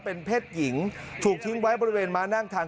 เป็นเพศหญิงถูกทิ้งไว้บริเวณม้านั่งทาง